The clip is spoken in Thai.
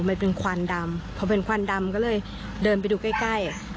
มันเป็นควันดำพอเป็นควันดำก็เลยเดินไปดูใกล้ใกล้